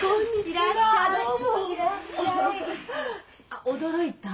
あっ驚いた？